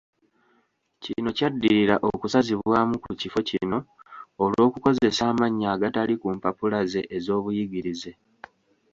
Kino kyaddirira okusazibwamu ku kifo kino olw'okukozesa amannya agatali ku mpapula ze ez'obuyigirize.